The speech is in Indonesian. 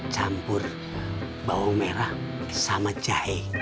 campur bawang merah sama jahe